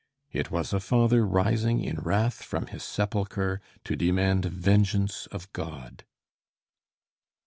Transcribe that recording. It was a father rising in wrath from his sepulchre to demand vengeance of God.